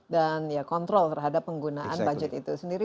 dan ya kontrol terhadap penggunaan budget itu sendiri